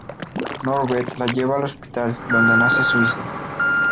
Norbert la lleva al hospital, donde nace su hijo.